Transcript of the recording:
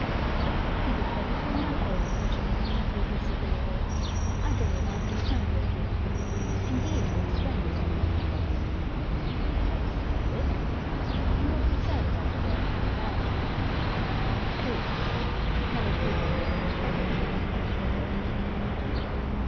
'I think it perfectly natural that such a meeting should be disagreeable. I believe I understand your feeling. Indeed, you explained it to me yesterday.' 'I explained it?' 'In what you said about the works in the valley.' 'True. Many people would have interpreted me less liberally.